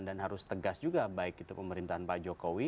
harus tegas juga baik itu pemerintahan pak jokowi